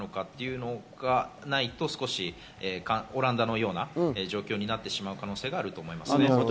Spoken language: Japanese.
それがないとオランダのような状況になってしまう可能性があると思います。